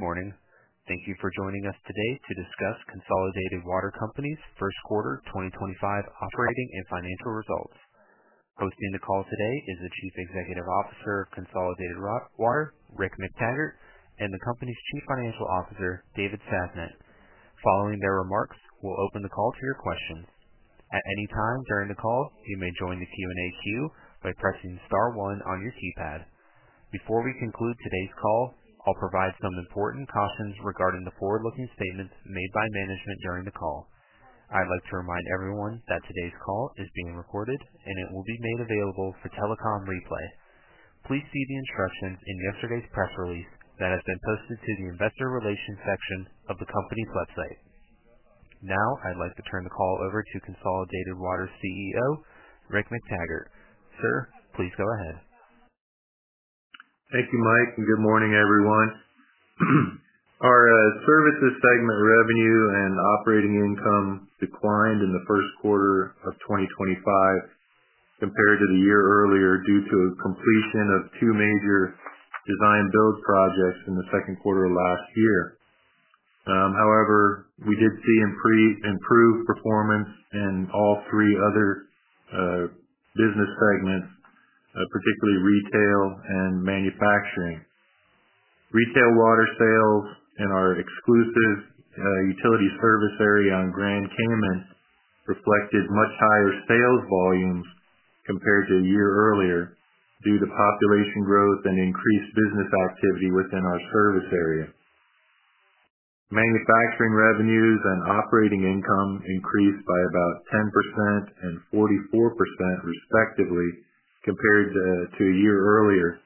Good morning. Thank you for joining us today to discuss Consolidated Water Company's first quarter 2025 operating and financial results. Hosting the call today is the Chief Executive Officer of Consolidated Water, Rick McTaggart, and the company's Chief Financial Officer, David Sasnett. Following their remarks, we'll open the call to your questions. At any time during the call, you may join the Q&A queue by pressing star one on your keypad. Before we conclude today's call, I'll provide some important cautions regarding the forward-looking statements made by management during the call. I'd like to remind everyone that today's call is being recorded and it will be made available for telecom replay. Please see the instructions in yesterday's press release that has been posted to the investor relations section of the company's website. Now, I'd like to turn the call over to Consolidated Water CEO, Rick McTaggart. Sir, please go ahead. Thank you, Mike. Good morning, everyone. Our services segment revenue and operating income declined in the first quarter of 2025 compared to the year earlier due to a completion of two major design-build projects in the second quarter of last year. However, we did see improved performance in all three other business segments, particularly retail and manufacturing. Retail water sales in our exclusive utility service area on Grand Cayman reflected much higher sales volumes compared to a year earlier due to population growth and increased business activity within our service area. Manufacturing revenues and operating income increased by about 10% and 44%, respectively, compared to a year earlier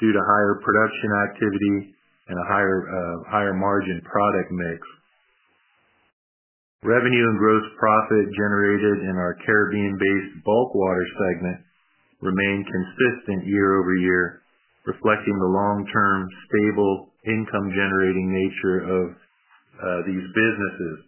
due to higher production activity and a higher margin product mix. Revenue and gross profit generated in our Caribbean-based bulk water segment remained consistent year over year, reflecting the long-term stable income-generating nature of these businesses.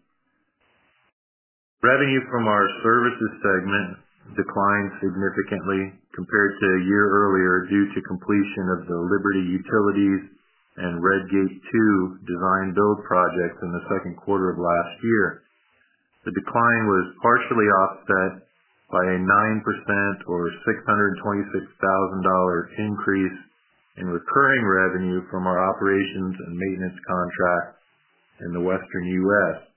Revenue from our services segment declined significantly compared to a year earlier due to completion of the Liberty Utilities and Red Gate II design-build projects in the second quarter of last year. The decline was partially offset by a 9% or $626,000 increase in recurring revenue from our operations and maintenance contract in the Western U.S.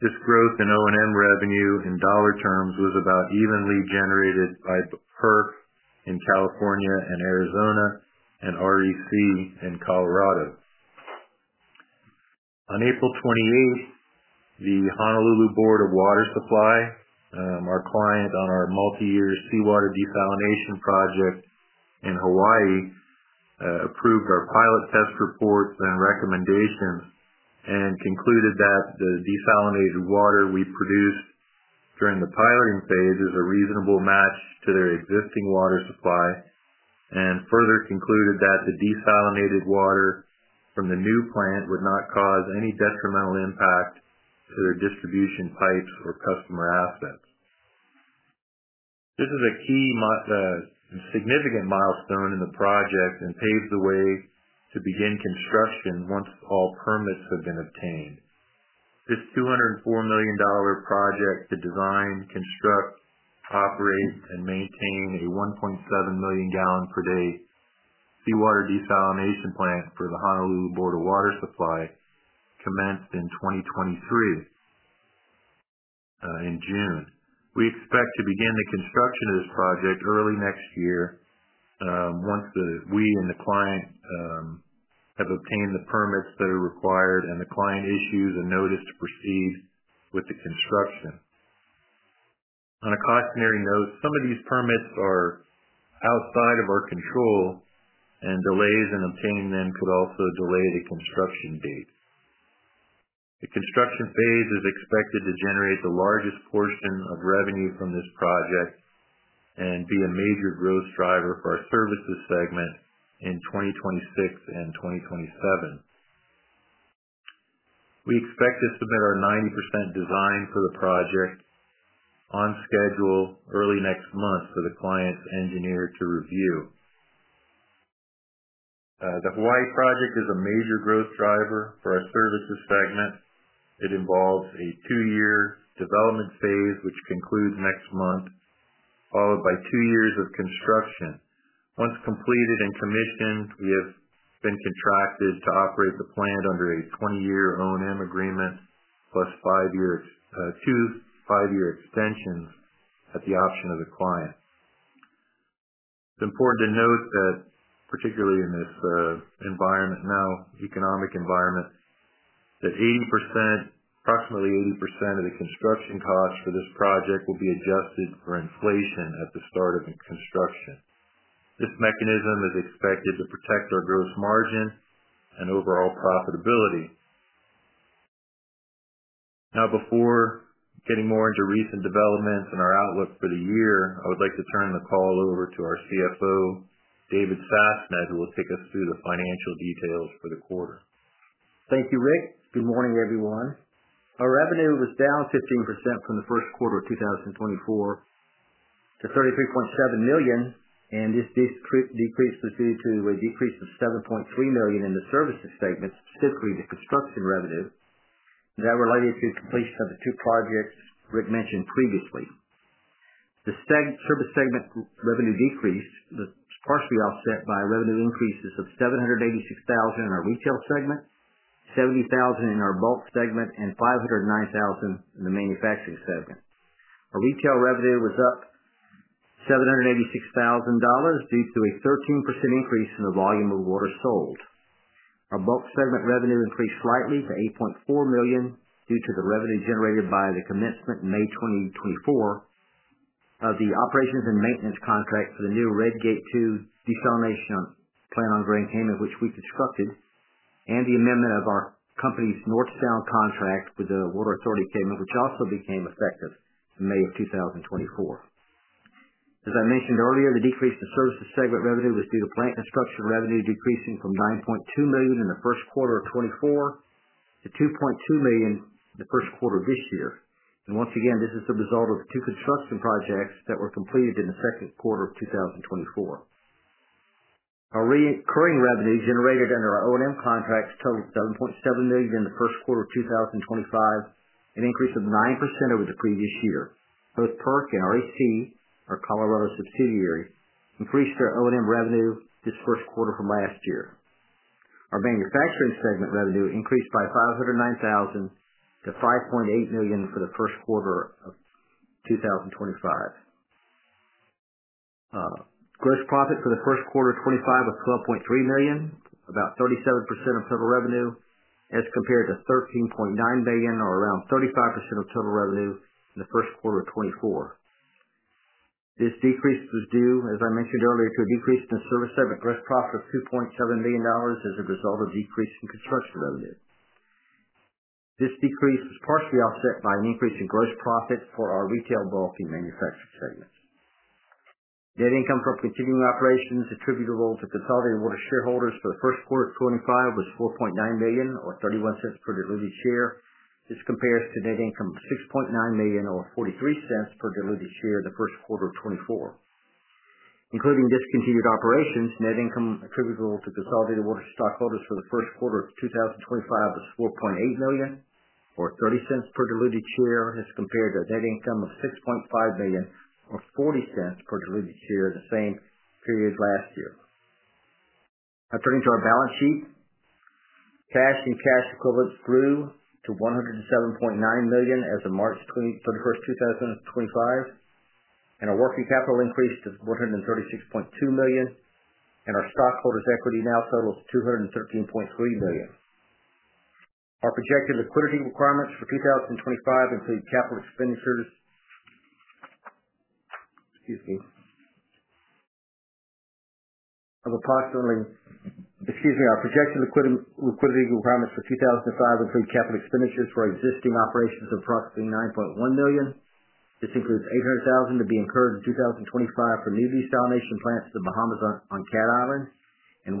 This growth in O&M revenue in dollar terms was about evenly generated by PERC in California and Arizona and REC in Colorado. On April 28th, the Honolulu Board of Water Supply, our client on our multi-year seawater desalination project in Hawaii, approved our pilot test reports and recommendations and concluded that the desalinated water we produced during the piloting phase is a reasonable match to their existing water supply and further concluded that the desalinated water from the new plant would not cause any detrimental impact to their distribution pipes or customer assets. This is a key and significant milestone in the project and paves the way to begin construction once all permits have been obtained. This $204 million project to design, construct, operate, and maintain a 1.7 million gallon per day seawater desalination plant for the Honolulu Board of Water Supply commenced in 2023 in June. We expect to begin the construction of this project early next year once we and the client have obtained the permits that are required and the client issues a notice to proceed with the construction. On a cautionary note, some of these permits are outside of our control, and delays in obtaining them could also delay the construction date. The construction phase is expected to generate the largest portion of revenue from this project and be a major growth driver for our services segment in 2026 and 2027. We expect to submit our 90% design for the project on schedule early next month for the client's engineer to review. The Hawaii project is a major growth driver for our services segment. It involves a two-year development phase, which concludes next month, followed by two years of construction. Once completed and commissioned, we have been contracted to operate the plant under a 20-year O&M agreement plus two five-year extensions at the option of the client. It's important to note that, particularly in this environment now, economic environment, that approximately 80% of the construction costs for this project will be adjusted for inflation at the start of construction. This mechanism is expected to protect our gross margin and overall profitability. Now, before getting more into recent developments in our outlook for the year, I would like to turn the call over to our CFO, David Sasnett, who will take us through the financial details for the quarter. Thank you, Rick. Good morning, everyone. Our revenue was down 15% from the first quarter of 2024 to $33.7 million, and this decrease was due to a decrease of $7.3 million in the services segment, specifically the construction revenue. That related to completion of the two projects Rick mentioned previously. The services segment revenue decrease was partially offset by revenue increases of $786,000 in our retail segment, $70,000 in our bulk segment, and $509,000 in the manufacturing segment. Our retail revenue was up $786,000 due to a 13% increase in the volume of water sold. Our bulk segment revenue increased slightly to $8.4 million due to the revenue generated by the commencement in May 2024 of the operations and maintenance contract for the new Red Gate II desalination plant on Grand Cayman, which we constructed, and the amendment of our company's north-south contract with the Water Authority Cayman, which also became effective, May 2024. As I mentioned earlier, the decrease in services segment revenue was due to plant construction revenue decreasing from $9.2 million in the first quarter of 2024 to $2.2 million in the first quarter of this year. Once again, this is the result of two construction projects that were completed in the second quarter of 2024. Our recurring revenue generated under our O&M contracts totaled $7.7 million in the first quarter of 2025, an increase of 9% over the previous year. Both PERC and REC, our Colorado subsidiary, increased their O&M revenue this first quarter from last year. Our manufacturing segment revenue increased by $509,000 to $5.8 million for the first quarter of 2025. Gross profit for the first quarter of 2025 was $12.3 million, about 37% of total revenue, as compared to $13.9 million or around 35% of total revenue in the first quarter of 2024. This decrease was due, as I mentioned earlier, to a decrease in the service segment gross profit of $2.7 million as a result of decreasing construction revenue. This decrease was partially offset by an increase in gross profit for our retail, bulk, and manufacturing segments. Net income from continuing operations attributable to Consolidated Water shareholders for the first quarter of 2025 was $4.9 million or $0.31 per diluted share. This compares to net income of $6.9 million or $0.43 per diluted share in the first quarter of 2024. Including discontinued operations, net income attributable to Consolidated Water stockholders for the first quarter of 2025 was $4.8 million or $0.30 per diluted share as compared to net income of $6.5 million or $0.40 per diluted share in the same period last year. Turning to our balance sheet, cash and cash equivalents grew to $107.9 million as of March 31st, 2025, and our working capital increased to $136.2 million, and our stockholders' equity now totals $213.3 million. Our projected liquidity requirements for 2025 include capital expenditures of approximately. Excuse me. Our projected liquidity requirements for 2005 include capital expenditures for existing operations of approximately $9.1 million. This includes $800,000 to be incurred in 2025 for new desalination plants in the Bahamas on Cat Island and $1.2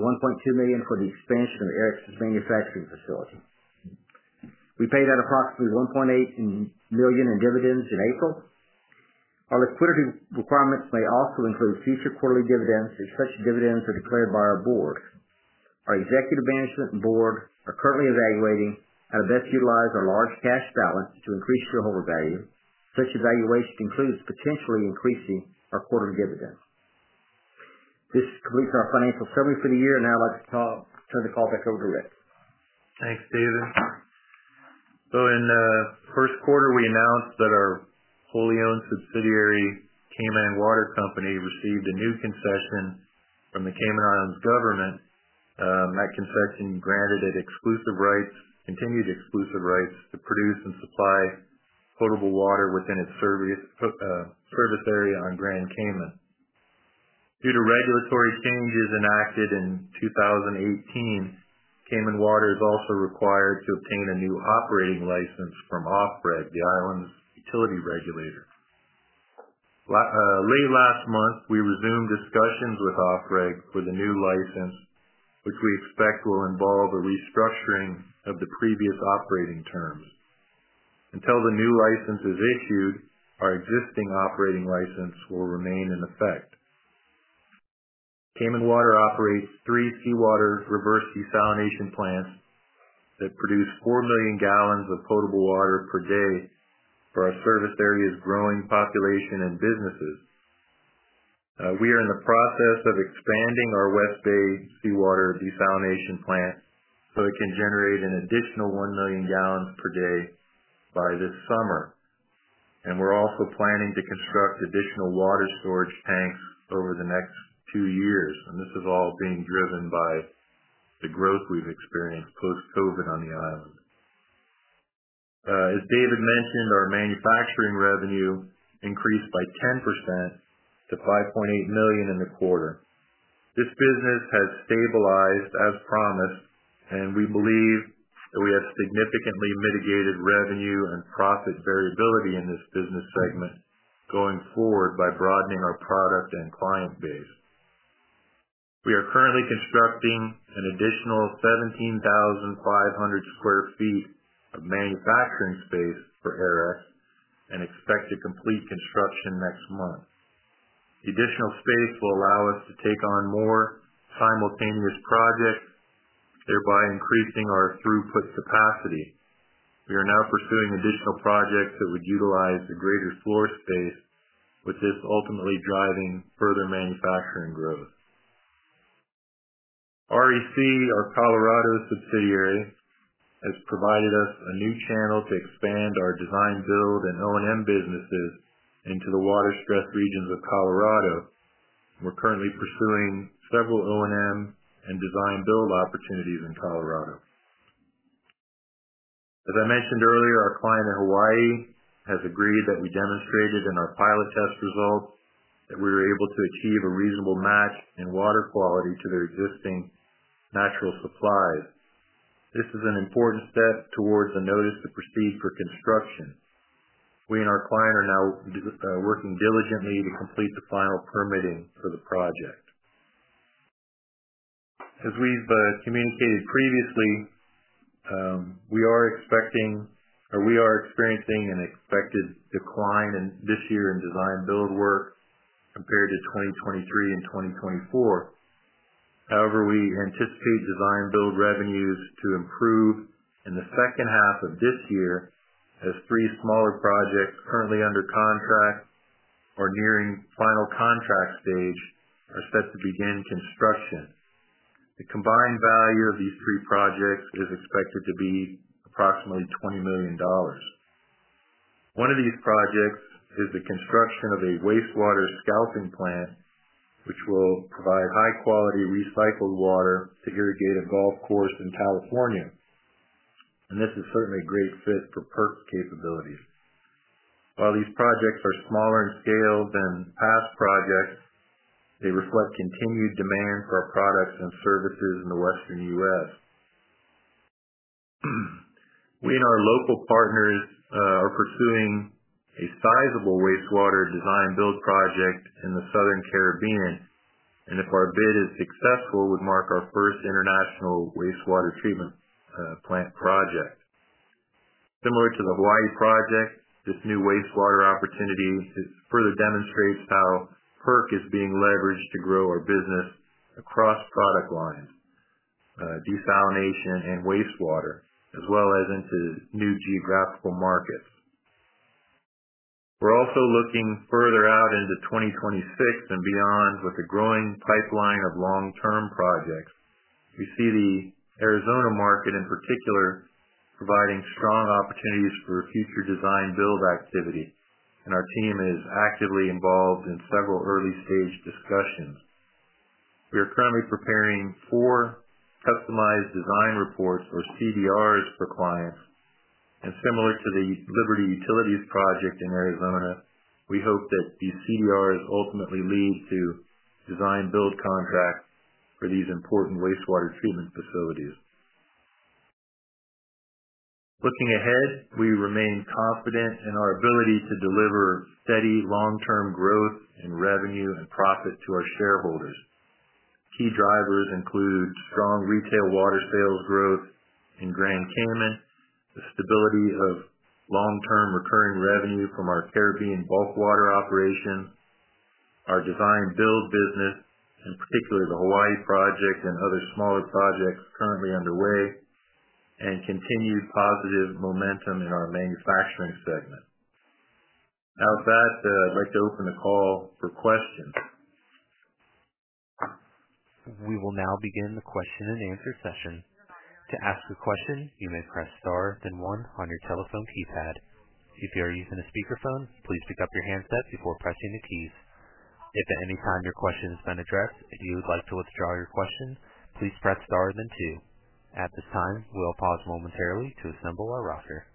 million for the expansion of the Aerex's manufacturing facility. We paid out approximately $1.8 million in dividends in April. Our liquidity requirements may also include future quarterly dividends, especially dividends that are declared by our board. Our executive management and board are currently evaluating how to best utilize our large cash balance to increase shareholder value. Such evaluation includes potentially increasing our quarterly dividends. This completes our financial summary for the year, and I'd like to turn the call back over to Rick. Thanks, David. In the first quarter, we announced that our fully-owned subsidiary Cayman Water Company received a new concession from the Cayman Islands government. That concession granted it exclusive rights, continued exclusive rights to produce and supply potable water within its service area on Grand Cayman. Due to regulatory changes enacted in 2018, Cayman Water is also required to obtain a new operating license from OfReg, the island's utility regulator. Late last month, we resumed discussions with OfReg for the new license, which we expect will involve a restructuring of the previous operating terms. Until the new license is issued, our existing operating license will remain in effect. Cayman Water operates three seawater reverse desalination plants that produce 4 million gallons of potable water per day for our service area's growing population and businesses. We are in the process of expanding our West Bay seawater desalination plant so it can generate an additional 1 million gallons per day by this summer. We are also planning to construct additional water storage tanks over the next two years. This is all being driven by the growth we've experienced post-COVID on the island. As David mentioned, our manufacturing revenue increased by 10% to $5.8 million in the quarter. This business has stabilized as promised, and we believe that we have significantly mitigated revenue and profit variability in this business segment going forward by broadening our product and client base. We are currently constructing an additional 17,500 sq ft of manufacturing space for Aerex and expect to complete construction next month. The additional space will allow us to take on more simultaneous projects, thereby increasing our throughput capacity. We are now pursuing additional projects that would utilize the greater floor space, with this ultimately driving further manufacturing growth. REC, our Colorado subsidiary, has provided us a new channel to expand our design-build and O&M businesses into the water-stressed regions of Colorado. We're currently pursuing several O&M and design-build opportunities in Colorado. As I mentioned earlier, our client in Hawaii has agreed that we demonstrated in our pilot test results that we were able to achieve a reasonable match in water quality to their existing natural supplies. This is an important step towards a notice to proceed for construction. We and our client are now working diligently to complete the final permitting for the project. As we've communicated previously, we are expecting or we are experiencing an expected decline this year in design-build work compared to 2023 and 2024. However, we anticipate design-build revenues to improve in the second half of this year as three smaller projects currently under contract or nearing final contract stage are set to begin construction. The combined value of these three projects is expected to be approximately $20 million. One of these projects is the construction of a wastewater scalping plant, which will provide high-quality recycled water to irrigate a golf course in California. This is certainly a great fit for PERC's capabilities. While these projects are smaller in scale than past projects, they reflect continued demand for our products and services in the Western U.S. We and our local partners are pursuing a sizable wastewater design-build project in the Southern Caribbean, and if our bid is successful, it would mark our first international wastewater treatment plant project. Similar to the Hawaii project, this new wastewater opportunity further demonstrates how PERC is being leveraged to grow our business across product lines, desalination and wastewater, as well as into new geographical markets. We are also looking further out into 2026 and beyond with a growing pipeline of long-term projects. We see the Arizona market in particular providing strong opportunities for future design-build activity, and our team is actively involved in several early-stage discussions. We are currently preparing four customized design reports or CDRs for clients. Similar to the Liberty Utilities project in Arizona, we hope that these CDRs ultimately lead to design-build contracts for these important wastewater treatment facilities. Looking ahead, we remain confident in our ability to deliver steady long-term growth in revenue and profit to our shareholders. Key drivers include strong retail water sales growth in Grand Cayman, the stability of long-term recurring revenue from our Caribbean bulk water operation, our design-build business, and particularly the Hawaii project and other smaller projects currently underway, and continued positive momentum in our manufacturing segment. Now, with that, I'd like to open the call for questions. We will now begin the question-and-answer session. To ask a question, you may press star, then one on your telephone keypad. If you are using a speakerphone, please pick up your handset before pressing the keys. If at any time your question has been addressed and you would like to withdraw your question, please press star, then two. At this time, we'll pause momentarily to assemble our roster.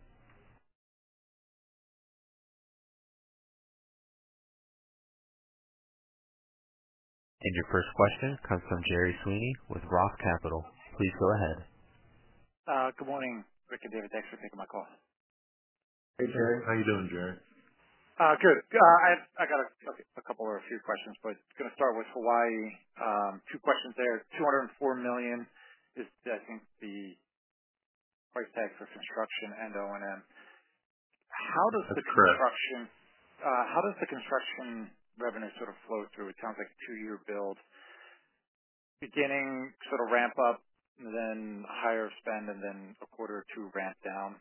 Your first question comes from Gerry Sweeney with ROTH Capital. Please go ahead. Good morning, Rick and David. Thanks for taking my call. Hey, Gerry. How are you doing? Good. I got a couple or a few questions, but going to start with Hawaii. Two questions there. $204 million is, I think, the price tag for construction and O&M. How does the construction. That's correct. How does the construction revenue sort of flow through? It sounds like two-year build, beginning sort of ramp up, then higher spend, and then a quarter or two ramp down.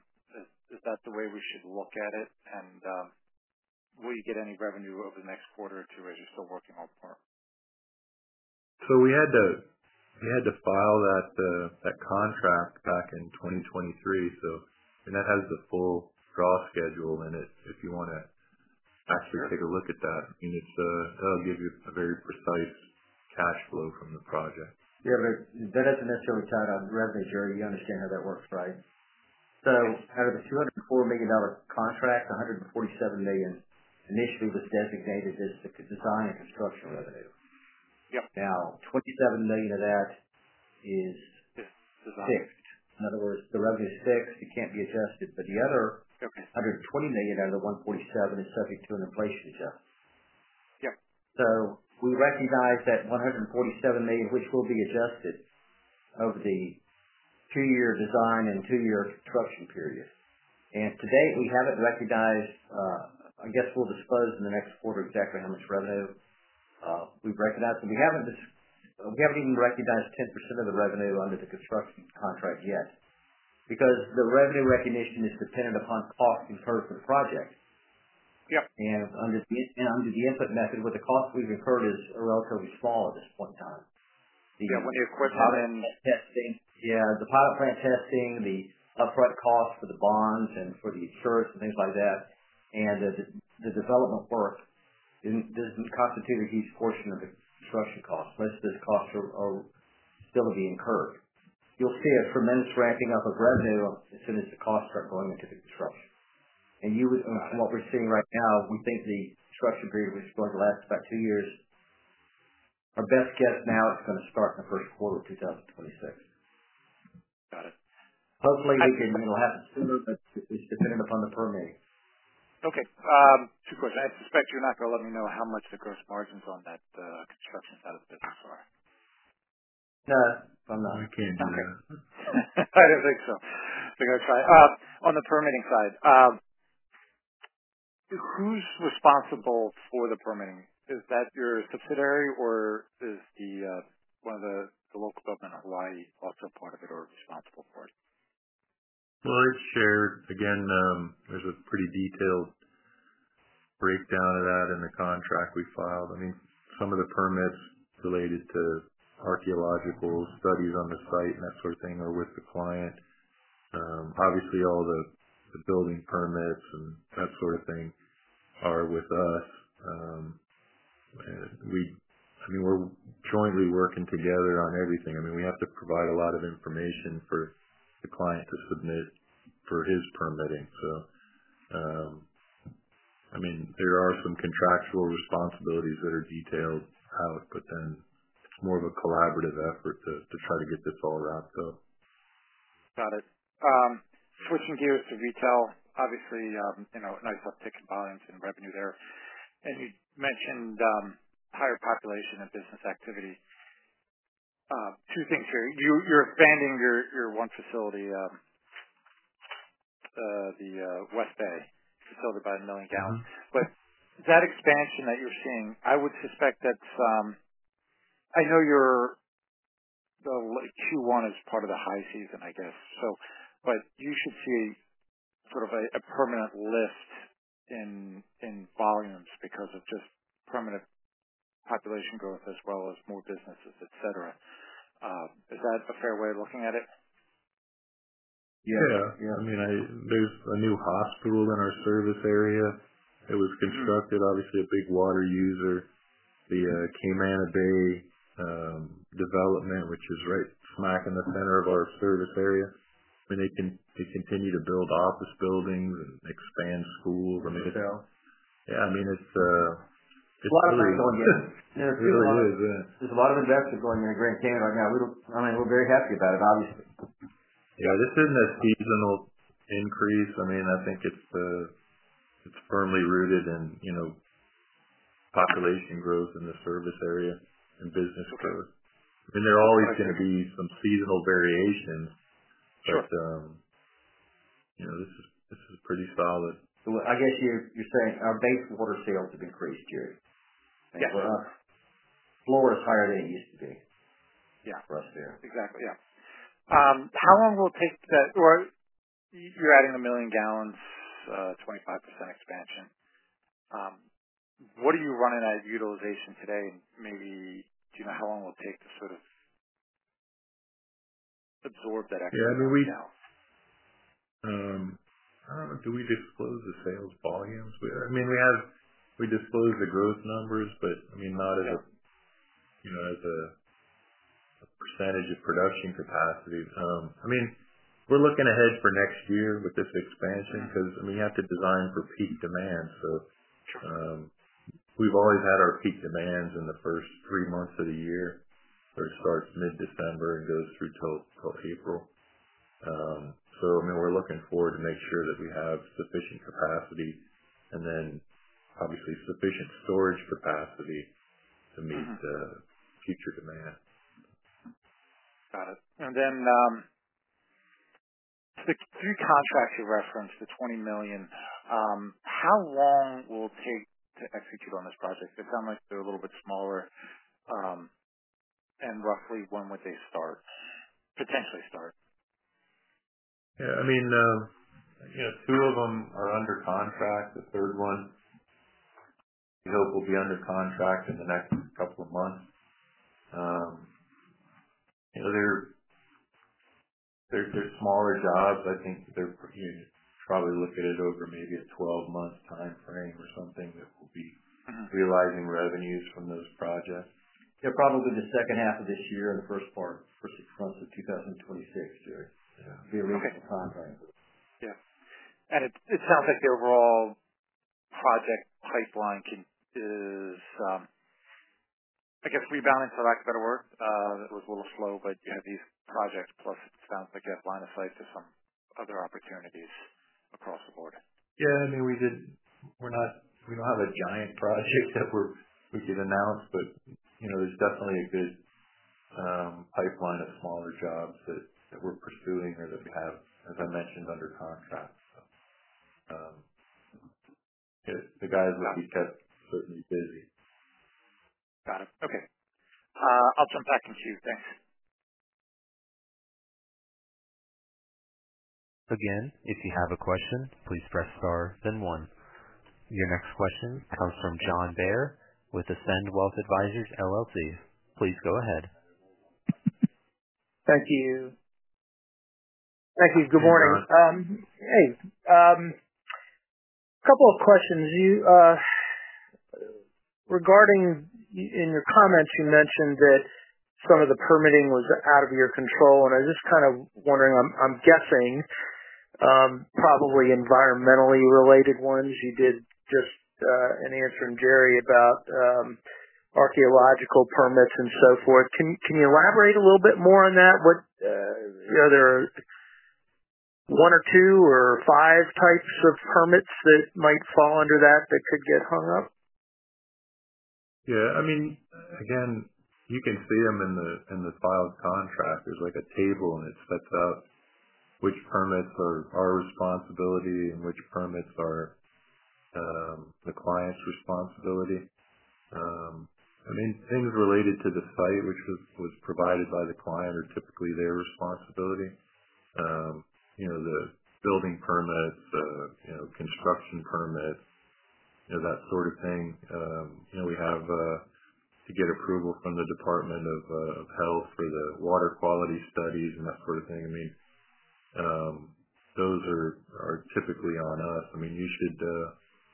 Is that the way we should look at it? Will you get any revenue over the next quarter or two as you're still working on PERC? We had to file that contract back in 2023. That has the full draw schedule in it if you want to actually take a look at that. I mean, that'll give you a very precise cash flow from the project. Yeah, but that does not necessarily tie down to revenue, Gerry. You understand how that works, right? Out of the $204 million contract, $147 million initially was designated as the design and construction revenue. Now, $27 million of that is fixed. In other words, the revenue is fixed. It cannot be adjusted. The other $120 million out of the $147 million is subject to an inflation adjustment. We recognize that $147 million, which will be adjusted over the two-year design and two-year construction period. To date, we have not recognized—I guess we will disclose in the next quarter exactly how much revenue we have recognized. We have not even recognized 10% of the revenue under the construction contract yet because the revenue recognition is dependent upon cost incurred for the project. Under the input method, where the cost we have incurred is relatively small at this point in time. The pilot plant testing. Yeah, the pilot plant testing, the upfront costs for the bonds and for the insurance and things like that, and the development work does not constitute a huge portion of the construction cost. Much of those costs are still to be incurred. You will see a tremendous ramping up of revenue as soon as the costs start going into the construction. What we are seeing right now, we think the construction period, which is going to last about two years, our best guess now, it is going to start in the first quarter of 2026. Hopefully, it will happen sooner, but it is dependent upon the permitting. Okay. Two questions. I suspect you're not going to let me know how much the gross margins on that construction side of the business are. No, I'm not. We can't do that. Okay. I don't think so. I'm going to try it. On the permitting side, who's responsible for the permitting? Is that your subsidiary, or is one of the local government in Hawaii also part of it or responsible for it? It's shared. Again, there's a pretty detailed breakdown of that in the contract we filed. I mean, some of the permits related to archaeological studies on the site and that sort of thing are with the client. Obviously, all the building permits and that sort of thing are with us. I mean, we're jointly working together on everything. I mean, we have to provide a lot of information for the client to submit for his permitting. There are some contractual responsibilities that are detailed out, but then it's more of a collaborative effort to try to get this all wrapped up. Got it. Switching gears to retail, obviously, a nice uptick in volumes and revenue there. You mentioned higher population and business activity. Two things here. You're expanding your one facility, the West Bay facility, by a million gallons. That expansion that you're seeing, I would suspect that's—I know Q1 is part of the high season, I guess, but you should see sort of a permanent lift in volumes because of just permanent population growth as well as more businesses, etc. Is that a fair way of looking at it? Yeah. Yeah. I mean, there's a new hospital in our service area that was constructed, obviously a big water user, the [Cayman] Bay development, which is right smack in the center of our service area. I mean, they continue to build office buildings and expand schools. I mean, yeah, I mean, it's really. A lot of money going in. Yeah, it really is. There's a lot of investment going into Grand Cayman right now. I mean, we're very happy about it, obviously. Yeah. This isn't a seasonal increase. I mean, I think it's firmly rooted in population growth in the service area and business growth. I mean, there are always going to be some seasonal variations, but this is pretty solid. I guess you're saying our base water sales have increased, Gerry. Florida's higher than it used to be for us here. Exactly. Yeah. How long will it take to—or you're adding a million gallons, 25% expansion. What are you running at utilization today? Maybe do you know how long it will take to sort of absorb that extra? Yeah. I mean, do we disclose the sales volumes? I mean, we disclose the growth numbers, but I mean, not as a % of production capacity. I mean, we're looking ahead for next year with this expansion because, I mean, you have to design for peak demand. We've always had our peak demands in the first three months of the year, where it starts mid-December and goes through till April. I mean, we're looking forward to make sure that we have sufficient capacity and then, obviously, sufficient storage capacity to meet future demand. Got it. And then the three contracts you referenced, the $20 million, how long will it take to execute on this project? It sounds like they're a little bit smaller. And roughly, when would they potentially start? Yeah. I mean, two of them are under contract. The third one, we hope will be under contract in the next couple of months. They're smaller jobs. I think you should probably look at it over maybe a 12-month time frame or something that we'll be realizing revenues from those projects. Yeah, probably the second half of this year and the first part for six months of 2026, Gerry. It'd be a reasonable timeframe. Yeah. It sounds like the overall project pipeline is, I guess, rebounding, for lack of a better word. It was a little slow, but you have these projects, plus it sounds like you have line of sight to some other opportunities across the board. Yeah. I mean, we do not have a giant project that we could announce, but there is definitely a good pipeline of smaller jobs that we are pursuing or that we have, as I mentioned, under contract. The guys will be kept certainly busy. Got it. Okay. I'll jump back in to you. Thanks. Again, if you have a question, please press star, then one. Your next question comes from John Bair with Ascend Wealth Advisors, LLC. Please go ahead. Thank you. Thank you. Good morning. Hey, a couple of questions. In your comments, you mentioned that some of the permitting was out of your control. I was just kind of wondering, I'm guessing, probably environmentally related ones. You did just an answer from Gerry about archaeological permits and so forth. Can you elaborate a little bit more on that? Are there one or two or five types of permits that might fall under that that could get hung up? Yeah. I mean, again, you can see them in the filed contract. There's a table, and it sets up which permits are our responsibility and which permits are the client's responsibility. I mean, things related to the site, which was provided by the client, are typically their responsibility. The building permits, construction permits, that sort of thing. We have to get approval from the Department of Health for the water quality studies and that sort of thing. I mean, those are typically on us. I mean,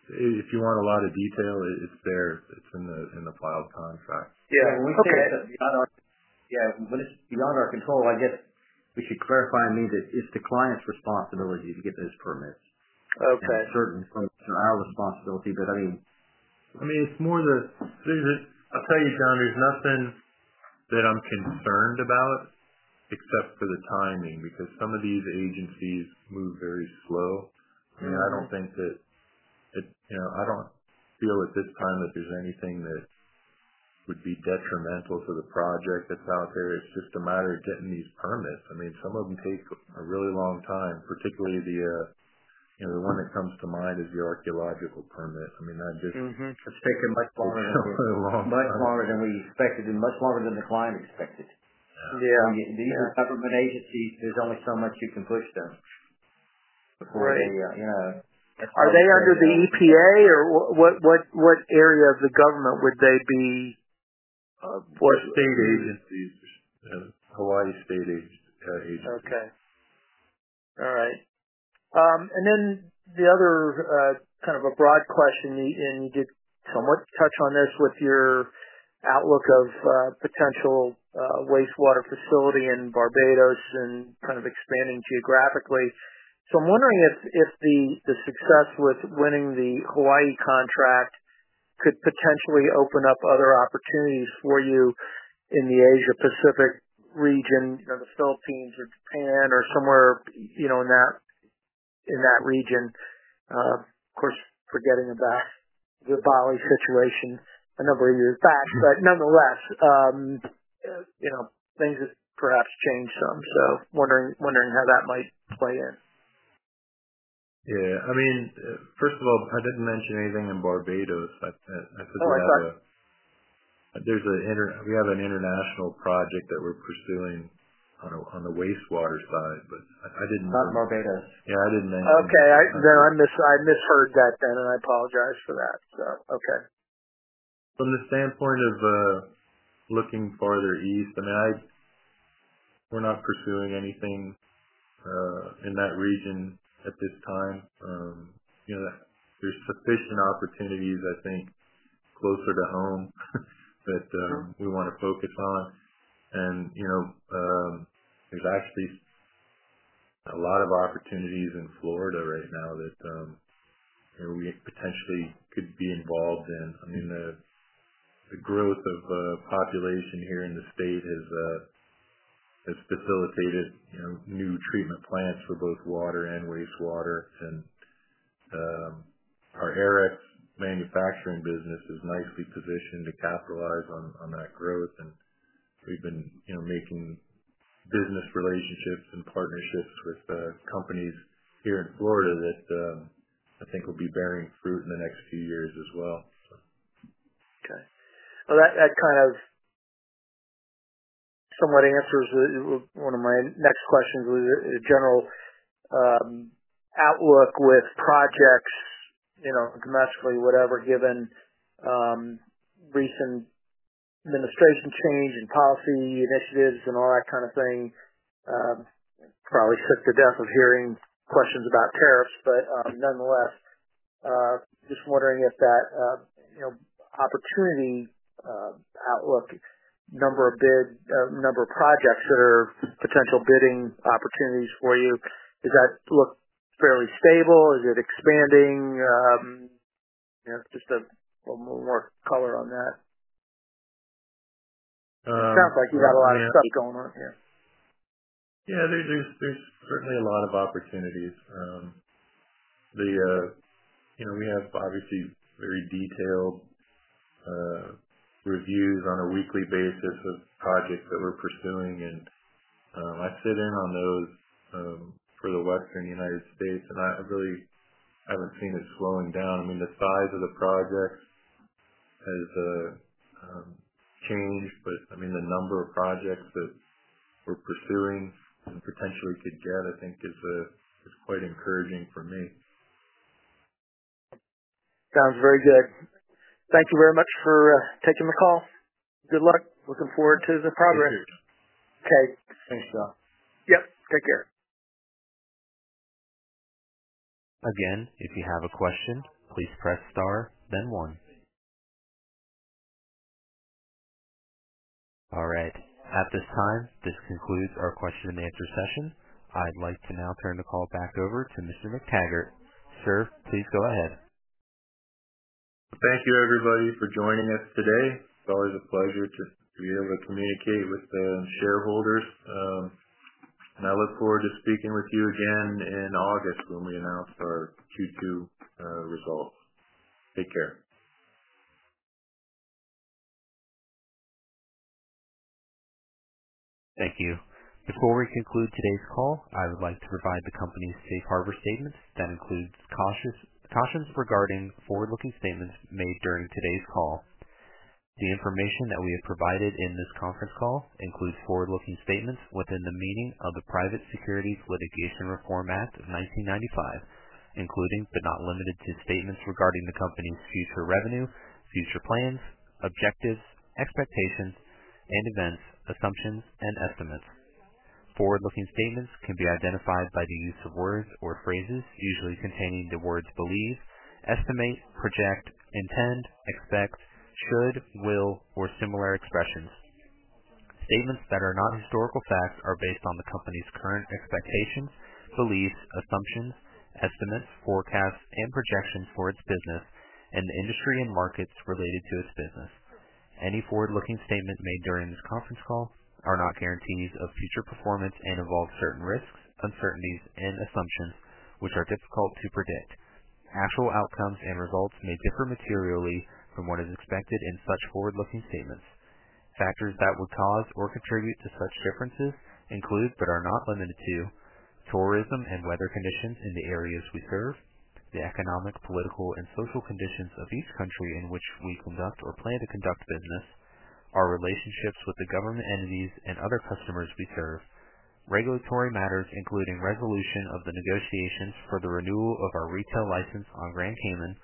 if you want a lot of detail, it's there. It's in the filed contract. Yeah. When we say it's beyond our—yeah, when it's beyond our control, I guess we should clarify and mean that it's the client's responsibility to get those permits. That's certainly not our responsibility. I mean. I mean, it's more the—I’ll tell you, John, there's nothing that I'm concerned about except for the timing because some of these agencies move very slow. I mean, I don't think that—I don't feel at this time that there's anything that would be detrimental to the project that's out there. It's just a matter of getting these permits. I mean, some of them take a really long time, particularly the one that comes to mind is the archaeological permit. I mean, that's taken much longer than we expected. It's taken much longer. Much longer than we expected and much longer than the client expected. These are government agencies. There's only so much you can push them before they— Are they under the EPA, or what area of the government would they be? State agency. Hawaii State Agency. Okay. All right. The other kind of a broad question, and you did somewhat touch on this with your outlook of potential wastewater facility in Barbados and kind of expanding geographically. I'm wondering if the success with winning the Hawaii contract could potentially open up other opportunities for you in the Asia-Pacific region, the Philippines or Japan or somewhere in that region. Of course, forgetting about the Bali situation a number of years back, but nonetheless, things have perhaps changed some. I'm wondering how that might play in. Yeah. I mean, first of all, I didn't mention anything in Barbados. I said we have an international project that we're pursuing on the wastewater side, but I didn't mention. Not Barbados. Yeah, I didn't mention it. Okay. I misheard that then, and I apologize for that. Okay. From the standpoint of looking farther east, I mean, we're not pursuing anything in that region at this time. There's sufficient opportunities, I think, closer to home that we want to focus on. There's actually a lot of opportunities in Florida right now that we potentially could be involved in. I mean, the growth of population here in the state has facilitated new treatment plants for both water and wastewater. Our Aerex manufacturing business is nicely positioned to capitalize on that growth. We've been making business relationships and partnerships with companies here in Florida that I think will be bearing fruit in the next few years as well. Okay. That kind of somewhat answers one of my next questions, was a general outlook with projects domestically, whatever, given recent administration change and policy initiatives and all that kind of thing. Probably sick to death of hearing questions about tariffs, but nonetheless, just wondering if that opportunity outlook, number of projects that are potential bidding opportunities for you, does that look fairly stable? Is it expanding? Just a little more color on that. It sounds like you've got a lot of stuff going on here. Yeah. There is certainly a lot of opportunities. We have, obviously, very detailed reviews on a weekly basis of projects that we are pursuing. I sit in on those for the Western United States, and I really have not seen it slowing down. I mean, the size of the projects has changed, but I mean, the number of projects that we are pursuing and potentially could get, I think, is quite encouraging for me. Sounds very good. Thank you very much for taking the call. Good luck. Looking forward to the progress. Thank you. Okay. Thanks, John. Yep. Take care. Again, if you have a question, please press star, then one. All right. At this time, this concludes our question-and-answer session. I'd like to now turn the call back over to Mr. McTaggart. Sir, please go ahead. Thank you, everybody, for joining us today. It's always a pleasure to be able to communicate with shareholders. I look forward to speaking with you again in August when we announce our Q2 results. Take care. Thank you. Before we conclude today's call, I would like to provide the company's Safe Harbor statement. That includes cautions regarding forward-looking statements made during today's call. The information that we have provided in this conference call includes forward-looking statements within the meaning of the Private Securities Litigation Reform Act of 1995, including, but not limited to, statements regarding the company's future revenue, future plans, objectives, expectations, and events, assumptions, and estimates. Forward-looking statements can be identified by the use of words or phrases, usually containing the words believe, estimate, project, intend, expect, should, will, or similar expressions. Statements that are not historical facts are based on the company's current expectations, beliefs, assumptions, estimates, forecasts, and projections for its business and the industry and markets related to its business. Any forward-looking statements made during this conference call are not guarantees of future performance and involve certain risks, uncertainties, and assumptions, which are difficult to predict. Actual outcomes and results may differ materially from what is expected in such forward-looking statements. Factors that would cause or contribute to such differences include, but are not limited to, tourism and weather conditions in the areas we serve, the economic, political, and social conditions of each country in which we conduct or plan to conduct business, our relationships with the government entities and other customers we serve, regulatory matters including resolution of the negotiations for the renewal of our retail license on Grand Cayman,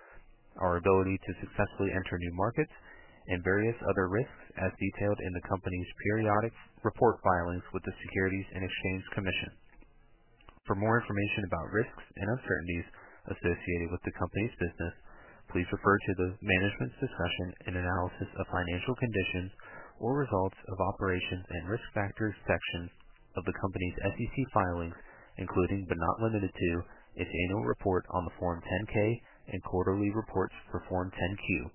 our ability to successfully enter new markets, and various other risks as detailed in the company's periodic report filings with the Securities and Exchange Commission. For more information about risks and uncertainties associated with the company's business, please refer to the management's discussion and analysis of financial conditions or results of operations and Risk Factors sections of the company's SEC filings, including, but not limited to, its annual report on the Form 10-K and quarterly reports for Form 10-Q.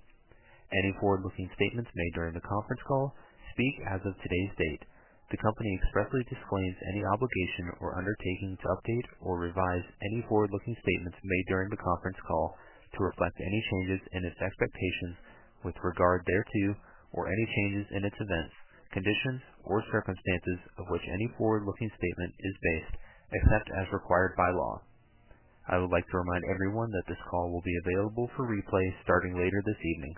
Any forward-looking statements made during the conference call speak as of today's date. The company expressly disclaims any obligation or undertaking to update or revise any forward-looking statements made during the conference call to reflect any changes in its expectations with regard thereto or any changes in its events, conditions, or circumstances of which any forward-looking statement is based, except as required by law. I would like to remind everyone that this call will be available for replay starting later this evening.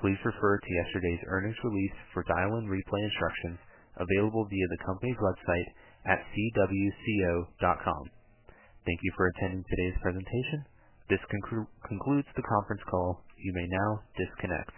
Please refer to yesterday's earnings release for dial-in replay instructions available via the company's website at cwco.com. Thank you for attending today's presentation. This concludes the conference call. You may now disconnect.